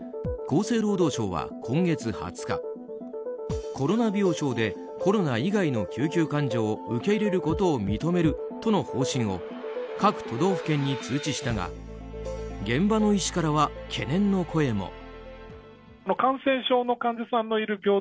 厚生労働省は、今月２０日コロナ病床でコロナ以外の救急患者を受け入れることを認めるとの方針を各都道府県に通知したが現場の医師からは懸念の声も。